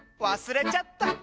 わすれちゃった！